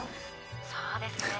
そうですね。